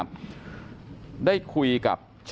ก็ไม่ได้มีธรรมดีใครอะไร